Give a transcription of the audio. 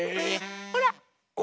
ほら。